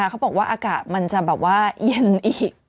เขาบอกว่าอากาศมันจะแบบว่าเย็นอีก